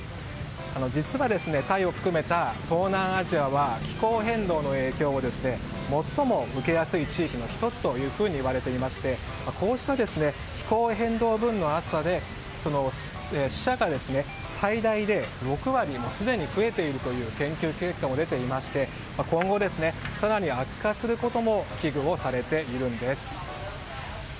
実は、タイを含めた東南アジアは気候変動の影響を最も受けやすい地域の１つと言われていましてこうした気候変動分の暑さで死者が最大で６割もすでに増えているという研究結果も出ていまして今後、更に悪化することも危惧されているんです。